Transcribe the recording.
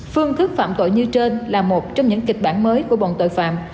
phương thức phạm tội như trên là một trong những kịch bản mới của bọn tội phạm